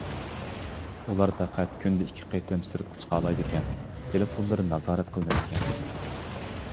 ئۇلار پەقەت كۈندە ئىككى قېتىم سىرتقا چىقالايدىكەن، تېلېفونلىرى نازارەت قىلىنىدىكەن.